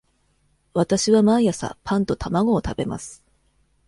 わたしは毎朝パンと卵を食べます。